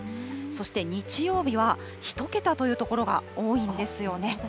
そして日曜日は１桁という所が多いんですよね。